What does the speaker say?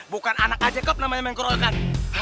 bukan anak aja kok namanya main koreokan